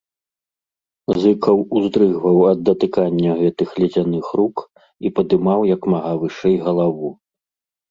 Зыкаў уздрыгваў ад датыкання гэтых ледзяных рук і падымаў як мага вышэй галаву.